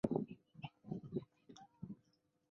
危地马拉内战正式拉开序幕。